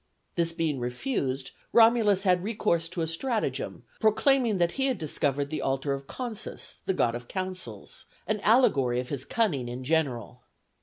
This being refused Romulus had recourse to a stratagem, proclaiming that he had discovered the altar of Consus, the god of counsels, an allegory of his cunning in general.